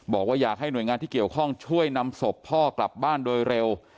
บอกว่าอยากให้หน่วยงานที่เกี่ยวข้องช่วยนำศพพ่อกลับบ้านโดยเร็ว